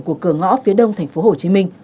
của cửa ngõ phía đông thành phố hồ chí minh